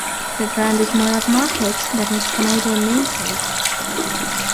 The brand is more upmarket than its Canadian namesake.